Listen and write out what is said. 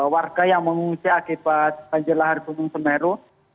warga yang mengungsi akibat banjir lahar gunung semeru